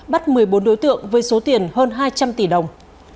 bắt một mươi bốn đối tượng với số tiền hơn hai trăm linh tỷ đồng